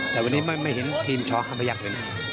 แต่วันนี้ไม่เห็นทีมชอคำพยักษ์เลยนะ